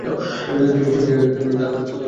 ছবির জন্য তরোয়াল খেলাও শিখতে হবে।